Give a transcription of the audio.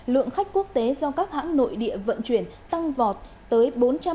lượng khách quốc tế do các hãng nội địa vận chuyển tăng vọt tới bốn trăm hai mươi bốn hai